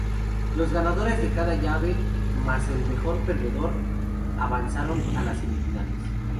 Los ganadores de cada llave más el mejor perdedor avanzaron a las semifinales.